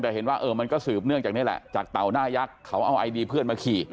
แต่เห็นว่าเออมันก็สืบเนื่องจากนี่แหละจากเต่าหน้ายักษ์เขาเอาไอดีเพื่อนมาขี่